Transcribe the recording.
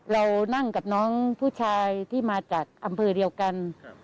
เรานั่งกับน้องผู้ชายที่มาจากอำเภอเดียวกัน